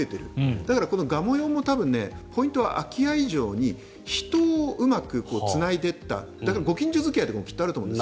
だから、がもよんもポイントは、空き家以上に人をうまくつないでいったご近所付き合いとかもきっとあると思うんです。